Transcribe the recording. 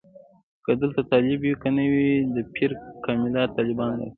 که دلته طالب وي که نه وي د پیر کمالات طالبان راکوزوي.